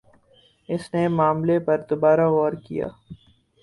اس نے معاملے پر دوبارہ غور کِیا